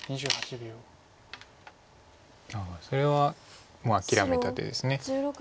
それはもう諦めた手です。